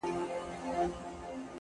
• له خالقه رڼا اخلم ورځي شپو ته ورکومه ,